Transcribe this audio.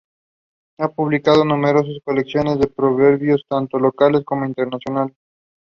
The left have infiltrated our education systems.